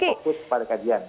kita masih fokus pada kajian